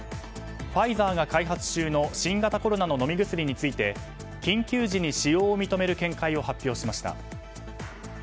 ファイザーが開発中の新型コロナの飲み薬について緊急時に使用を認める見解を発表しました。